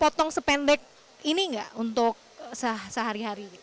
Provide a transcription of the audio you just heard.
potong sependek ini nggak untuk sehari hari